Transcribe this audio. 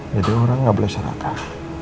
jadi orang gak boleh serakah